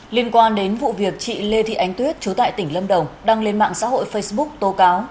liên quan đến vụ việc chị lê thị ánh tuyết chú tại tỉnh lâm đồng đăng lên mạng xã hội facebook tố cáo